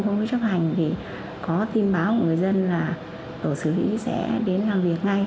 không mới chấp hành thì có tin báo của người dân là tổ xử lý sẽ đến làm việc ngay